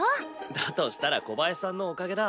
だとしたら小林さんのおかげだ。